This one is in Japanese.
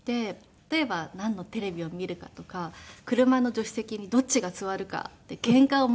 例えばなんのテレビを見るかとか車の助手席にどっちが座るかってケンカを毎日していたんですね。